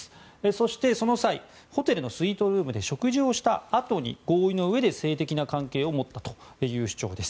そして、その際ホテルのスイートルームで食事をしたあとに合意のうえで性的な関係を持ったという主張です。